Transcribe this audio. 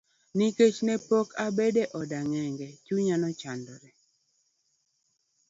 Nikech ne pok obedo e od ang'enge, chunye nechandore.